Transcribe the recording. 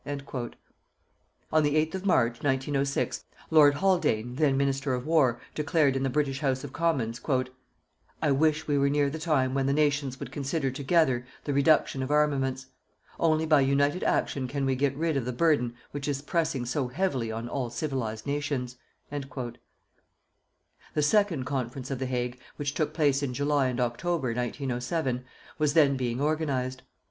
_" On the 8th of March, 1906, Lord Haldane, then Minister of War, declared in the British House of Commons: "_I wish we were near the time when the nations would consider together the reduction of armaments.... Only by united action can we get rid of the burden which is pressing so heavily on all civilized nations._" The second Conference of The Hague which took place in July and October, 1907, was then being organized.